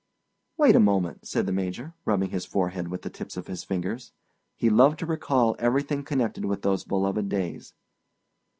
"Wait a moment," said the Major, rubbing his forehead with the tips of his fingers. He loved to recall everything connected with those beloved days.